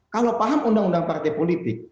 kalau paham undang undang partai politik